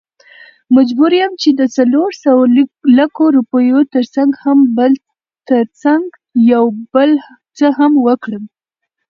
مجبور يم چې دڅورلسو لکو، روپيو ترڅنګ يو بل څه هم وکړم .